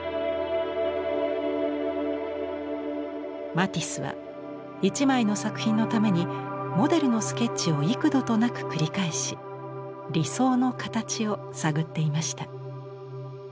マティスは一枚の作品のためにモデルのスケッチを幾度となく繰り返し理想の形を探っていました。